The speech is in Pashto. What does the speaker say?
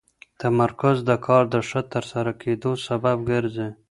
تمرکز د کار د ښه ترسره کېدو سبب ګرځي.